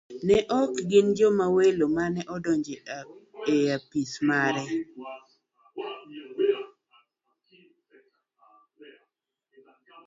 Ne ok gin joma welo mane odonjo e apisi mare.